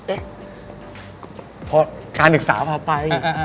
เอ๊ะพอการศึกษาพาไป